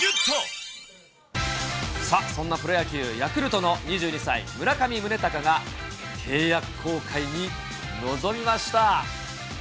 そんなプロ野球、ヤクルトの２２歳、村上宗隆が、契約更改に臨みました。